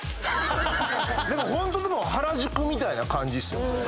でもホント原宿みたいな感じっすよ。